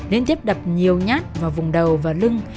liên tiếp đập nhiều nhát vào vùng đầu và lưng